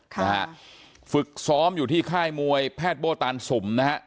ค่ะนะฮะฝึกซ้อมอยู่ที่ค่ายมวยแพทย์โบ้ตานสุมนะฮะ